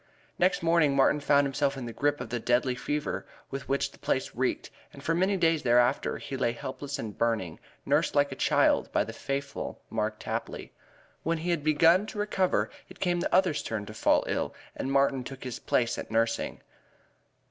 Next morning Martin found himself in the grip of the deadly fever with which the place reeked, and for many days thereafter he lay helpless and burning, nursed like a child by the faithful Mark Tapley. When he had begun to recover it came the other's turn to fall ill and Martin took his place at nursing.